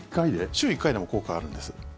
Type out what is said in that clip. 週１回でも効果あるんです。